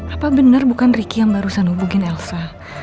apa benar bukan ricky yang barusan hubungin elsa